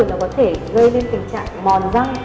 nó có thể gây nên tình trạng mòn răng